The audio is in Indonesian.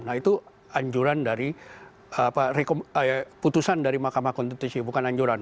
nah itu anjuran dari putusan dari mahkamah konstitusi bukan anjuran